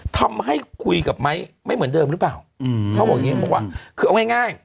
ทำให้คุยกับไม้ไม่เหมือนเดิมหรือเปล่าอืมเขาบอกอย่างงี้บอกว่าคือเอาง่ายง่าย